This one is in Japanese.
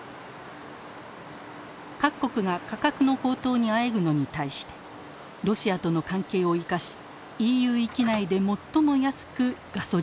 各国が価格の高騰にあえぐのに対してロシアとの関係を生かしＥＵ域内で最も安くガソリンを販売。